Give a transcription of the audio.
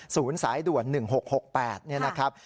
สายด่วน๑๖๖๘เนี่ยนะครับ